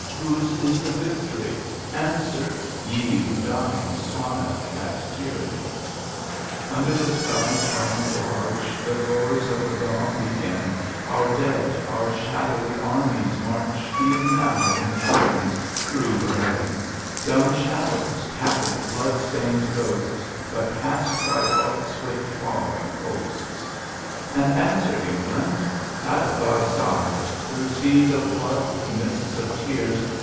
Whose is the victory? Answer, ye Who, dying, smiled at tyranny :— Under the sJcys triumphal arch The glories of the dawn begin. 4: PRELUDE Our dead, our shadowy armies, anarch E'en noiv, in silence, thro' Berlin — Dumb shadows, tattered blood stained ghosts. But cast by what swift following hosts ! And answer, England ! A t thy side. Thro' seas of blood, thro 7nists of tears.